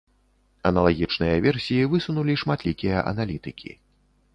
Аналагічныя версіі высунулі шматлікія аналітыкі.